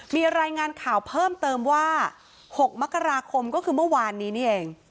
มีรายงานข่าวเพิ่มเติมว่า๖มกราคมก็คือเมื่อวานนี้นี่เอง